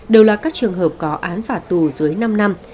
đều là các trường hợp có án phạt tù dưới năm năm